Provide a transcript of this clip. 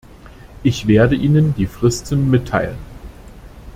Ich werde Ihnen die Fristen mitteilen.